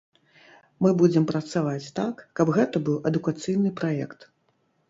Мы будзем працаваць так, каб гэта быў адукацыйны праект.